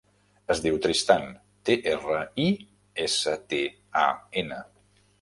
Es diu Tristan: te, erra, i, essa, te, a, ena.